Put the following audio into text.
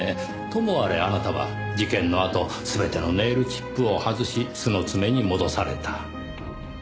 ともあれあなたは事件のあと全てのネイルチップを外し素の爪に戻された。